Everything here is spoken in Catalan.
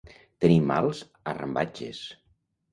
Tenir mals arrambatges.